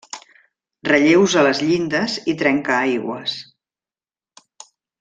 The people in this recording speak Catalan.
Relleus a les llindes i trencaaigües.